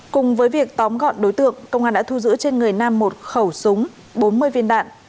cùng với việc tóm gọn đối tượng công an đã thu giữ trên người nam một khẩu súng bốn mươi viên đạn